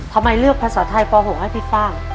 ทำไมเลือกภาษาไทยป๖ให้พี่ฟ่าง